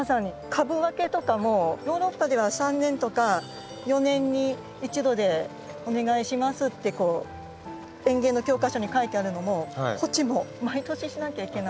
株分けとかもヨーロッパでは３年とか４年に１度でお願いしますって園芸の教科書に書いてあるのもこっちもう毎年しなきゃいけない。